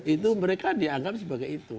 itu mereka dianggap sebagai itu